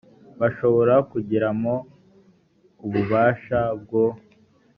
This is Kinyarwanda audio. bashobora kugiramo ububasha bwo